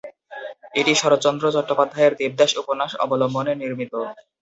এটি শরৎচন্দ্র চট্টোপাধ্যায়ের "দেবদাস" উপন্যাস অবলম্বনে নির্মিত।